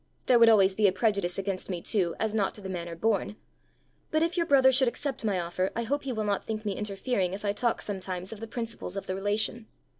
There would always be a prejudice against me too, as not to the manner born. But if your brother should accept my offer, I hope he will not think me interfering if I talk sometimes of the principles of the relation.